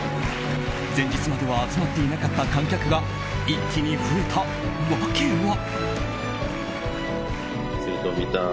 前日までは集まっていなかった観客が一気に増えた訳は。